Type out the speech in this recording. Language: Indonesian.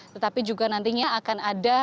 tetapi juga nantinya akan ada